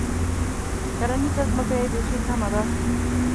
کرنیزه ځمکه یې بیخي کمه ده.